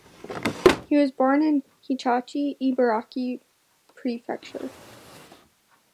He was born in Hitachi, Ibaraki Prefecture.